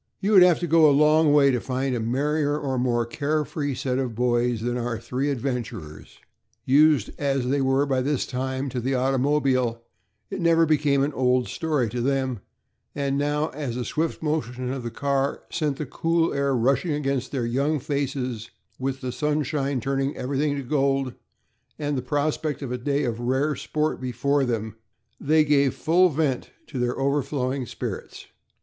You would have had to go a long way to find a merrier or more care free set of boys than our three adventurers. Used as they were, by this time, to the automobile, it never became an old story to them, and now, as the swift motion of the car sent the cool air rushing against their young faces, with the sunshine turning everything to gold, and with the prospect of a day of rare sport before them, they gave full vent to their overflowing spirits.